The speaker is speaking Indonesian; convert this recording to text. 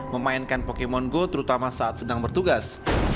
memainkan pokemon go terutama saat sedang bertugas